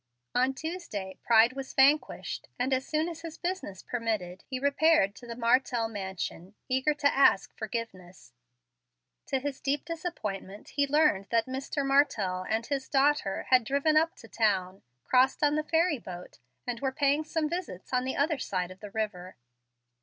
On Tuesday pride was vanquished, and as soon as his business permitted he repaired to the Martell mansion, eager to ask forgiveness. To his deep disappointment, he learned that Mr. Martell and his daughter had driven up to town, crossed on the ferry boat, and were paying some visits on the other side of the river.